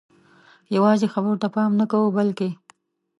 یوازې خبرو ته پام نه کوو بلکې